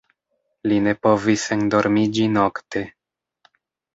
Li ne povis endormiĝi nokte.